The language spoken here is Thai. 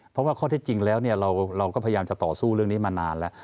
เพราะว่าข้อที่จริงแล้วเราก็พยายามจะต่อสู้เรื่องนี้มานานแล้ว